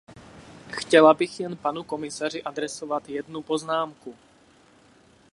Chtěla bych jen panu komisaři adresovat jednu poznámku.